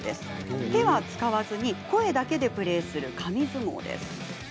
手は使わず声だけでプレーする紙相撲です。